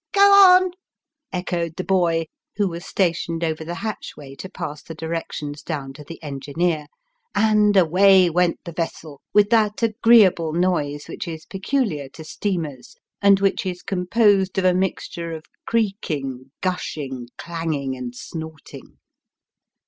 " Go on !" echoed the boy, who was stationed over the hatchway to pass the directions down to the engineer ; and away went the vessel with that agreeable noise which is peculiar to steamers, and which is composed of a mixture of creaking, gushing, clanging, and snorting.